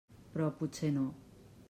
Però potser no.